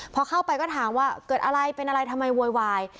พอเข้าไปก็ถามว่าเกิดอะไรเป็นอะไรทำไมโวยวาย